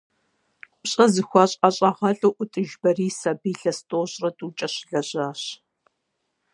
Пщӏэ зыхуащӏ ӏэщӏагъэлӏу ӏутӏыж Борис абы илъэс тӏощӏрэ тӏукӏэ щылэжьащ.